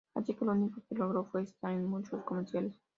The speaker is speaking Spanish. Así que lo único que logró fue estar en muchos comerciales.